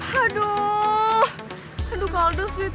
kan harusnya gue yang ada di posisi sama